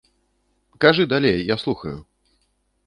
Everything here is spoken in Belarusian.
Кажы далей, я слухаю.